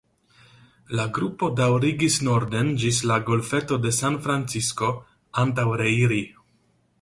La grupo daŭrigis norden ĝis la golfeto de San Francisco antaŭ reiri.